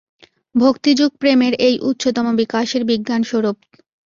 ভক্তিযোগ প্রেমের এই উচ্চতম বিকাশের বিজ্ঞানস্বরূপ।